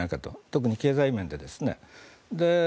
特に経済面でですね。